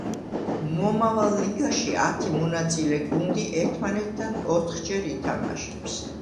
მომავალ ლიგაში ათი მონაწილე გუნდი ერთმანეთთან ოთხჯერ ითამაშებს.